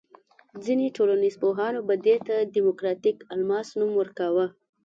ځینې ټولنیز پوهانو به دې ته دیموکراتیک الماس نوم ورکاوه.